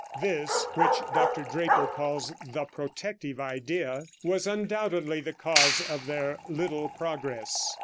This, which Dr. Draper calls the "protective idea," was undoubtedly the cause of their little progress.